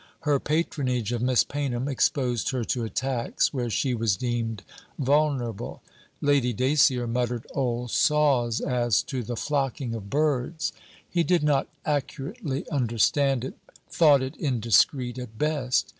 Her patronage of Miss Paynham exposed her to attacks where she was deemed vulnerable; Lady Dacier muttered old saws as to the flocking of birds; he did not accurately understand it, thought it indiscreet, at best.